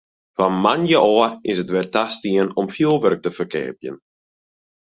Fan moandei ôf is it wer tastien om fjoerwurk te ferkeapjen.